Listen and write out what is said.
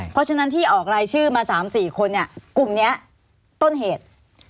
เพราะฉะนั้นที่ออกรายชื่อมา๓๔คนเนี่ยกลุ่มนี้ต้นเหตุ